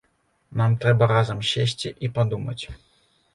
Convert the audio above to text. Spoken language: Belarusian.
Нам трэба разам сесці і падумаць.